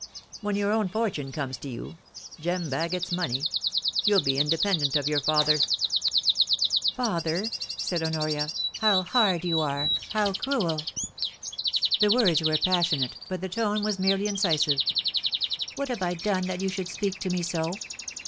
When your own fortune comes to you — Jem Bagot's money — you'll be independent of your father.' DARRINGTON A REJECTED SUITOR, 257 * Father/ said Honoria, * how hard you are ! How cruel !' The words were passionate, but the tone was merely incisive. * What have I done that you should speak to me so